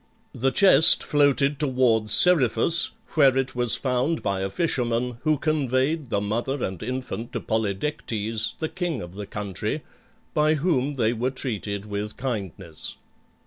The chest floated towards Seriphus, where it was found by a fisherman who conveyed the mother and infant to Polydectes, the king of the country, by whom they were treated with kindness.